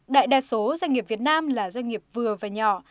đại đa số doanh nghiệp việt nam là doanh nghiệp vừa và nhỏ